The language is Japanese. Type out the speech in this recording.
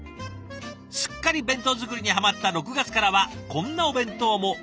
すっかり弁当作りにハマった６月からはこんなお弁当も。